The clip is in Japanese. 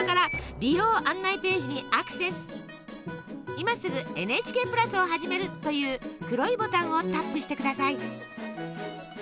「今すぐＮＨＫプラスをはじめる」という黒いボタンをタップしてください。